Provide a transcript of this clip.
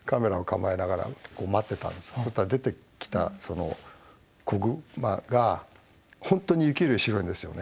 そしたら出てきたその子グマが本当に雪より白いんですよね。